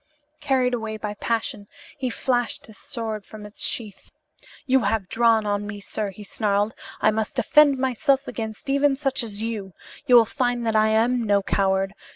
Carried away by passion, he flashed his sword from its sheath. "You have drawn on me, sir," he snarled. "I must defend myself against even such as you. You will find that I am no coward.